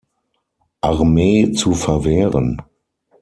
Armee zu verwehren.